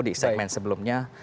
di segmen sebelumnya